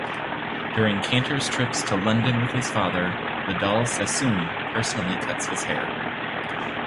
During Cantor's trips to London with his father, Vidal Sassoon personally cut his hair.